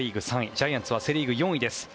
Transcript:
ジャイアンツはセ・リーグ４位です。